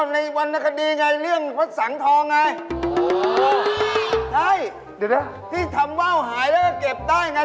นี่บอกว่าเก็บว่าวได้อันนี้ชื่อพับปิ่น